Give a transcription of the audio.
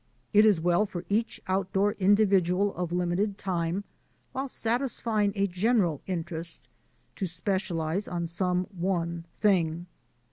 It is well for each outdoor individual of limited time, while satisfying a gen eral interest, to specialize on some one thing.